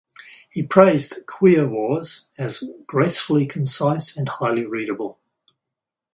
He praised "Queer Wars" as "gracefully concise and highly readable".